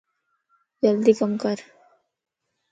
جلدي ڪم ڪر